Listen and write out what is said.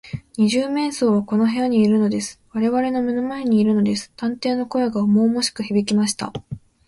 「二十面相はこの部屋にいるのです。われわれの目の前にいるのです」探偵の声がおもおもしくひびきました。